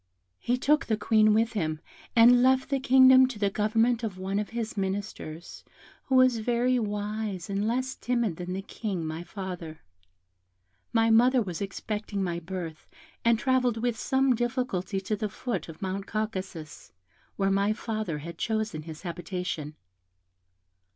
He took the Queen with him, and left the kingdom to the government of one of his ministers, who was very wise, and less timid than the King, my father. My mother was expecting my birth, and travelled with some difficulty to the foot of Mount Caucasus, where my father had chosen his habitation.